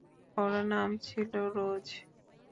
ওর নাম ছিল রোজ।